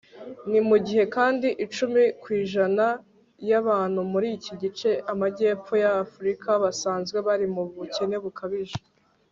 ni mugihe kandi icumi kw'ijana y' abantu muri iki gice (amajyepfo y' afurika) basanzwe bari mu bukene bukabije